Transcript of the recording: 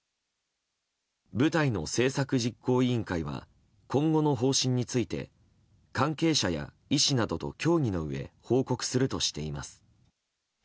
舞台の製作実行委員会は今後の方針について関係者や医師などと協議のうえ報告するとしています。